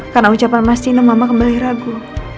karena ucapan mas tino mama kembali ragu